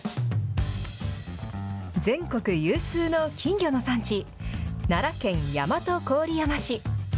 全国有数の金魚の産地、奈良県大和郡山市。